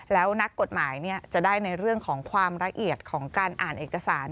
แล้วนักกฎหมายจะได้ในเรื่องของความละเอียดของการอ่านเอกสาร